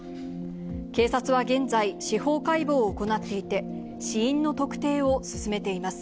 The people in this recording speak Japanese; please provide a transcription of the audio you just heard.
警察は現在、司法解剖を行っていて、死因の特定を進めています。